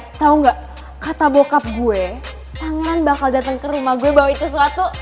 nanti guys tau gak kata bokap gue pangeran bakal dateng ke rumah gue bawa itu sesuatu